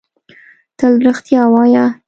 تل رښتیا وایۀ!